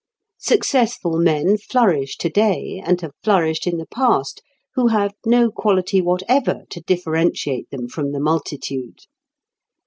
Successful men flourish to day, and have flourished in the past, who have no quality whatever to differentiate them from the multitude.